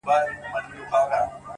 د پوهې تنده انسان مخته بیايي,